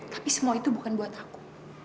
tapi semua itu bukan buat aku